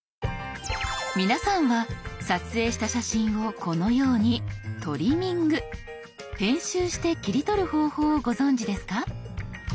皆さんは撮影した写真をこのように「トリミング」編集して切り取る方法をご存じですか？